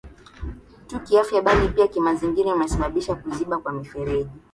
tu kiafya bali pia kimazingira Imesababisha kuziba kwa mifereji